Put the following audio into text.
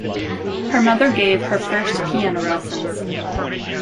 Her mother gave her first piano lessons.